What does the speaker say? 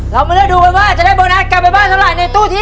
เรามาเลือกดูกันว่าจะได้โบนัสกลับไปบ้านเท่าไหรในตู้ที่